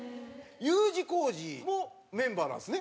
Ｕ字工事もメンバーなんですね？